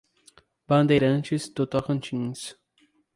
Bandeirantes do Tocantins